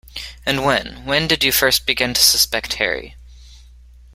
And when — when did you first begin to suspect Harry?